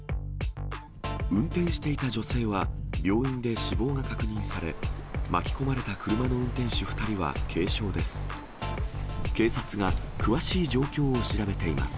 運転していた女性は、病院で死亡が確認され、巻き込まれた車の運転手２人は軽傷です。